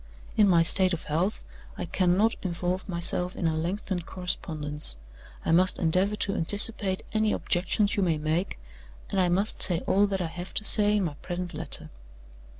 "In my state of health, I cannot involve myself in a lengthened correspondence. I must endeavor to anticipate any objections you may make, and I must say all that I have to say in my present letter.